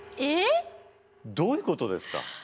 どういうことですか。